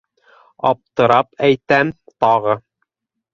— Аптырап әйтәм тағы.